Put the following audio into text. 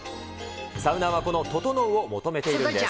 サウナーはこのととのうを求めているんです。